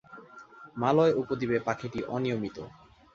মালয় উপদ্বীপে পাখিটি অনিয়মিত।